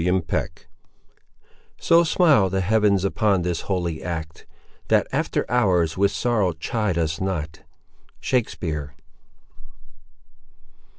CHAPTER XV So smile the heavens upon this holy act, That after hours with sorrow chide us not! —Shakespeare.